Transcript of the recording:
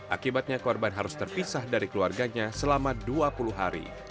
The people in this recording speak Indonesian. akibatnya korban harus terpisah dari keluarganya selama dua puluh hari